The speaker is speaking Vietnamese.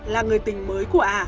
là người tình mới của ả